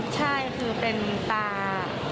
ใช่คือเป็นตา